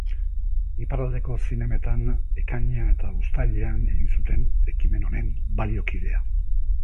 Iparraldeko zinemetan, ekainean eta uztailean egin zuten ekimen honen baliokidea.